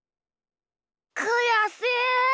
くやしい。